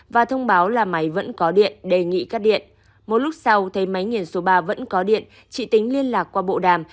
và thông báo là máy vẫn có điện đề nghị cắt điện một lúc sau thấy máy nghiền số ba vẫn có điện chị tính liên lạc qua bộ đàm